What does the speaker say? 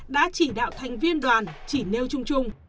đã chỉ đạo thành viên đoàn chỉ nêu chung chung